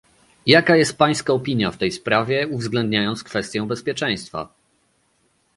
Jaka jest pańska opinia w tej sprawie, uwzględniając kwestię bezpieczeństwa?